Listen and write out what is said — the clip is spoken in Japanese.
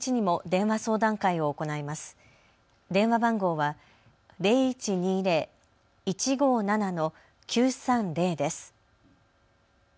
電話番号は０１２０−１５７−９３０です。